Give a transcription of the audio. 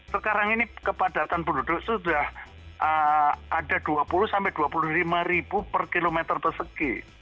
sekarang ini kepadatan penduduk sudah ada dua puluh sampai dua puluh lima ribu per kilometer persegi